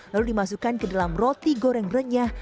lalu dimasukkan ke dalam roti goreng renyah